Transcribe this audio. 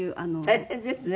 大変ですね。